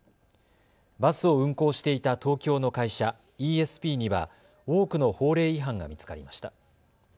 バスを運行していた東京の会社、イーエスピーには多くの法令違反が見つかりました。